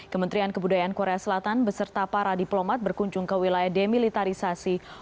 kementerian kebudayaan korea selatan beserta para diplomat berkunjung ke wilayah demilitarisasi